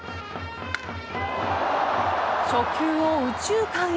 初球を右中間へ。